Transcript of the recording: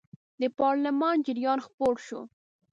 د پارلمان جریان خپور شو.